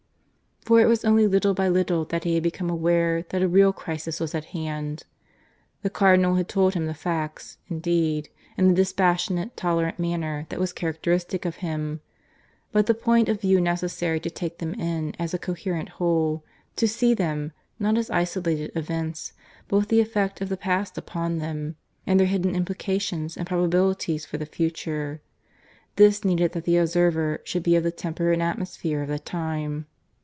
For it was only little by little that he had become aware that a real crisis was at hand. The Cardinal had told him the facts, indeed, in the dispassionate, tolerant manner that was characteristic of him; but the point of view necessary to take them in as a coherent whole, to see them, not as isolated events, but with the effect of the past upon them and their hidden implications and probabilities for the future this needed that the observer should be of the temper and atmosphere of the time.